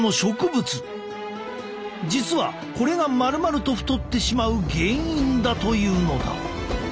実はこれが丸々と太ってしまう原因だというのだ。